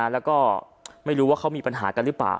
แล้วก็ไม่รู้ว่าเขามีปัญหากันหรือเปล่า